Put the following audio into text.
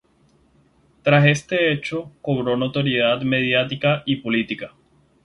Tras este hecho cobró notoriedad mediática y política.